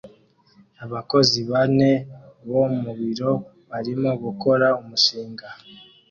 Abakozi bane bo mu biro barimo gukora umushinga